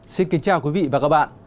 xin kính chào quý vị và các bạn